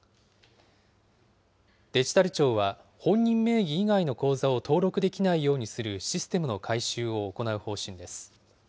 デジタル庁は本人名義以外の口座を登録できないようにするシステムの改修を行う方針です。